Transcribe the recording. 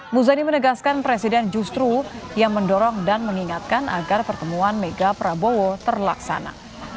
muzani menegaskan presiden justru yang mendorong dan mengingatkan agar pertemuan mega prabowo terlaksana